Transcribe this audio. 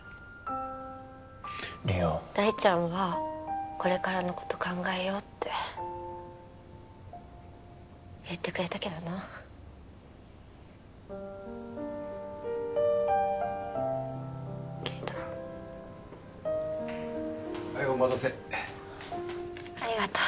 梨央大ちゃんはこれからのこと考えようって言ってくれたけどなけどはいお待たせありがとう